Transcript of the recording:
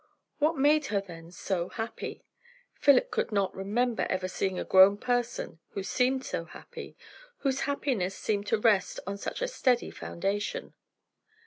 What made her, then, so happy? Philip could not remember ever seeing a grown person who seemed so happy; whose happiness seemed to rest on such a steady foundation.